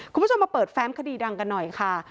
คุณผู้ชมมาเปิดแฟ้มคดีดังกันหน่อยค่ะ